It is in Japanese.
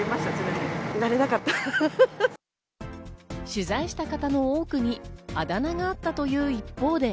取材した方の多くにあだ名があったという一方で。